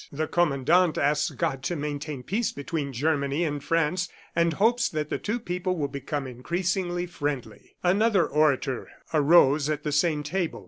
"The Commandant asks God to maintain peace between Germany and France and hopes that the two peoples will become increasingly friendly." Another orator arose at the same table.